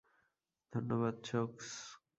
ধন্যবাদ, সোকস।